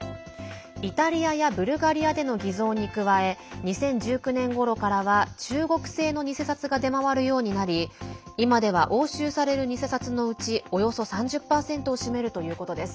イタリアやブルガリアでの偽造に加え２０１９年ごろからは中国製の偽札が出回るようになり今では押収される偽札のうちおよそ３０％を占めるということです。